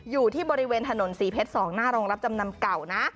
อยู่ที่บริเวณถนนศรีเพชร๒หน้าโรงรับจำนำเก่านะ